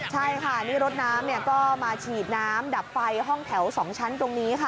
ใช่ค่ะนี่รถน้ำก็มาฉีดน้ำดับไฟห้องแถว๒ชั้นตรงนี้ค่ะ